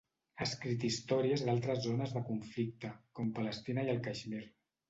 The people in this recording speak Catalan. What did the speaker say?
Ha escrit històries d'altres zones de conflicte, com Palestina i el Caixmir.